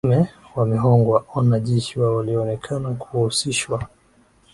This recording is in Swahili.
wame wamehogwa wanajeshi wa walionekana kuhusishwa